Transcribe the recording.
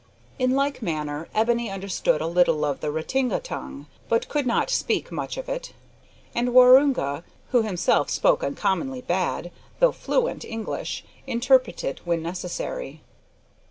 In like manner Ebony understood a little of the Ratinga tongue, but could not speak much of it, and Waroonga, who himself spoke uncommonly bad, though fluent, English, interpreted when necessary.